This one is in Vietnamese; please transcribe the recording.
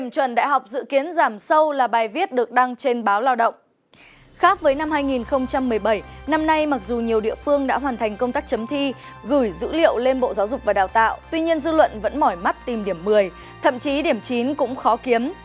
tuy nhiên dư luận vẫn mỏi mắt tìm điểm một mươi thậm chí điểm chín cũng khó kiếm